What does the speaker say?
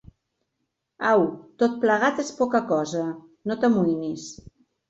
Au, tot plegat és poca cosa, no t'amoïnis.